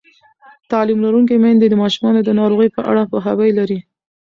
تعلیم لرونکې میندې د ماشومانو د ناروغۍ په اړه پوهاوی لري.